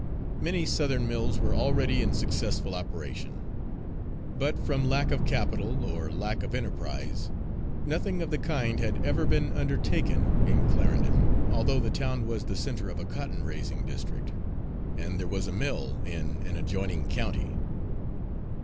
Many Southern mills were already in successful operation. But from lack of capital, or lack of enterprise, nothing of the kind had ever been undertaken in Clarendon although the town was the centre of a cotton raising district, and there was a mill in an adjoining county.